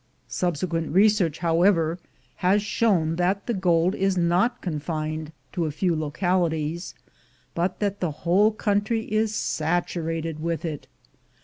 Subsequent research, how A BULL AND BEAR FIGHT 273 ever, has shown that the gold is not confined to a few localities, but that the whole country is saturated with it.